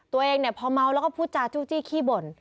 ตัวเองเนี่ยพอเมาแล้วก็พูดจาจู้จี้ขี้บ่น